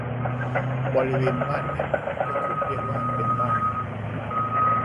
บริเวณบ้านแห่งนั้นก็ถูกเรียกว่าเป็นบ้าน